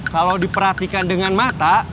kalau diperhatikan dengan mata